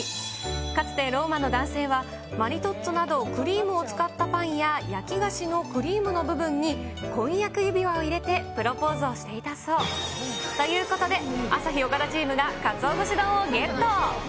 かつてローマの男性はマリトッツォなどクリームを使ったパンや、焼き菓子のクリームの部分に婚約指輪を入れてプロポーズをしていたそう。ということで、朝日・岡田チームがかつお節丼をゲット。